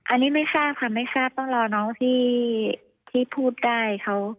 อันนี้ไม่ทราบค่ะไม่ทราบต้องรอน้องที่พูดได้เขา